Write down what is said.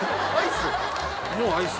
アイス？